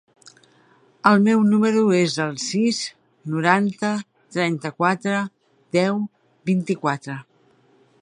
El meu número es el sis, noranta, trenta-quatre, deu, vint-i-quatre.